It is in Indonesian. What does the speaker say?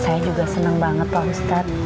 saya juga senang banget pak ustadz